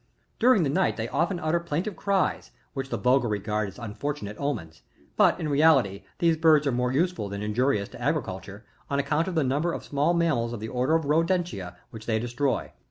During the night they often utter plaintive cries, which the vulgar regard as un fortunate omens ; but in reality these birds are more useful than injurious to agriculture, on account of the number of small mamm^ of the order of rodentia which they destroy.